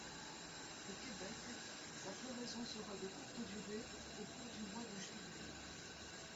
Au Québec, sa floraison sera de courte durée au cours du mois de juillet.